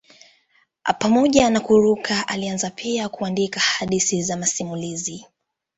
Pamoja na kuruka alianza pia kuandika hadithi na masimulizi.